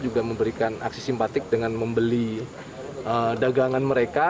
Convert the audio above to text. juga memberikan aksi simpatik dengan membeli dagangan mereka